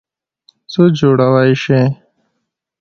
څه جوړوئ شی؟